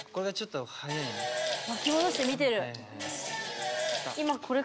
巻き戻して見てる。